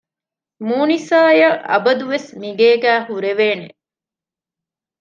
މޫނިސާ އަށް އަބަދުވެސް މިގޭގައި ހުރެވޭނެ